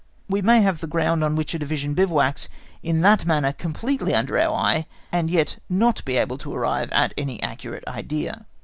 We may have the ground on which a Division bivouacs in that manner completely under our eye, and yet not be able to arrive at any accurate idea.